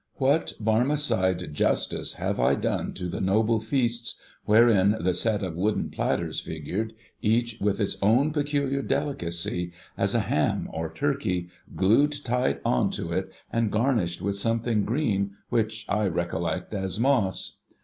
What Barmecide justice have I done to the noble feasts wherein the set of wooden platters figured, each with its own peculiar delicacy, as a ham or turkey, glued tight on to it, and garnished with something green, which I recollect as moss